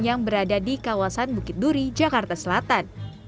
yang berada di kawasan bukit duri jakarta selatan